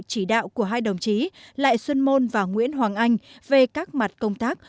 chỉ đạo của hai đồng chí lại xuân môn và nguyễn hoàng anh về các mặt công tác